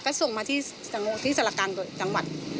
และกรงขนักก็ส่งมาที่สรรคังจังหวัด